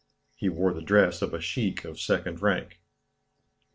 He wore the dress of a sheik of secondary rank.